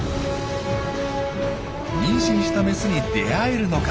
妊娠したメスに出会えるのか。